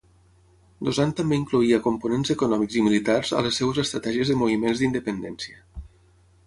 Dosan també incloïa components econòmics i militars a les seves estratègies de moviments d'independència.